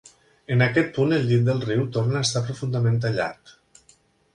En aquest punt el llit del riu torna a estar profundament tallat.